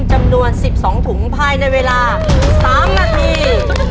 จำนวน๑๒ถุงภายในเวลา๓นาที